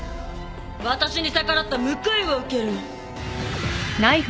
わたしに逆らった報いを受けるの。